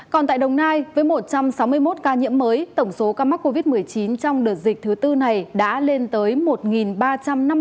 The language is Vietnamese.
còn tại đồng nai với một trăm sáu mươi một ca nhiễm mới tổng số ca mắc covid một mươi chín trong đợt dịch thứ tư này đã lên tới một ba trăm năm mươi ca